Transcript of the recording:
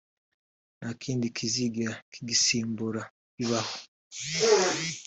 nta kindi kizigera kigisimbura bibaho